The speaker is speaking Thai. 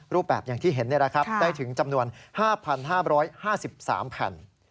รูปแบบอย่างที่เห็นได้ถึงจำนวน๕๕๓แผ่น